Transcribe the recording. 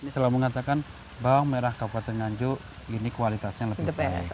selalu mengatakan bawang merah kabupaten nganjuk ini kualitasnya lebih baik